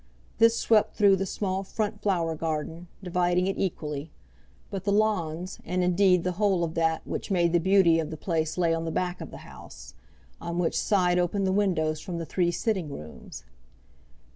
This swept through the small front flower garden, dividing it equally; but the lawns and indeed the whole of that which made the beauty of the place lay on the back of the house, on which side opened the windows from the three sitting rooms.